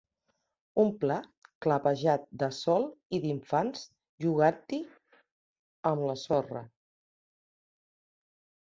Un pla clapejat de sol i d'infants jogant-hi am la sorra.